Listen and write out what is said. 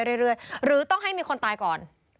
หรือต้องให้มีคนตายก่อน